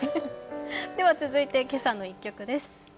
続いて「けさの１曲」です。